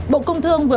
bộ công thương tp hcm